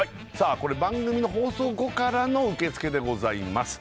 これ番組の放送後からの受け付けでございます